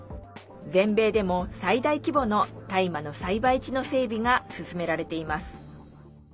全米でも最大規模の、大麻の栽培地の整備が進められています。